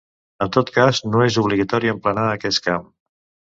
En tot cas, no és obligatori emplenar aquest camp.